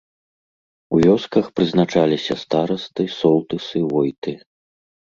У вёсках прызначаліся старасты, солтысы, войты.